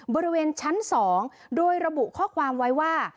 บริเวณชั้น๒โดยระบุข้อความไว้ว่า